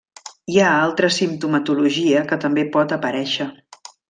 Hi ha altra simptomatologia que també pot aparèixer.